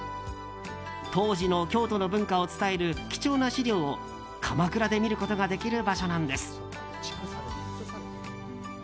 当時の京都の文化を伝える貴重な資料を鎌倉で見ることができる場所なんです。